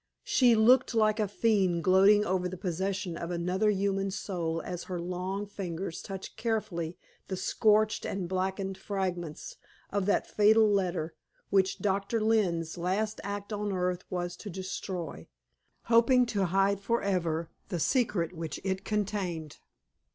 She looked like a fiend gloating over the possession of another human soul as her long fingers touched carefully the scorched and blackened fragments of that fatal letter which Doctor Lynne's last act on earth was to destroy, hoping to hide forever the secret which it contained.